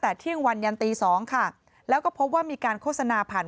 แต่เที่ยงวันยันตี๒ค่ะแล้วก็พบว่ามีการโฆษณาผ่าน